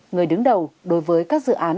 người đứng đầu đối với các dự án